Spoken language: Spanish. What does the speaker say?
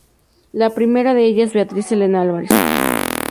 La primera de ellas Beatriz Elena Alvarez.